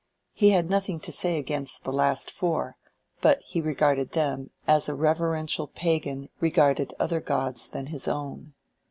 He had nothing to say against the last four; but he regarded them as a reverential pagan regarded other gods than his own.